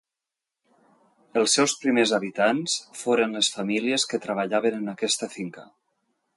Els seus primers habitants foren les famílies que treballaven en aquesta finca.